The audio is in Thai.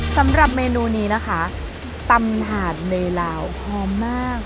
สำหรับเมนูนี้นะคะตำหาดในลาวหอมมาก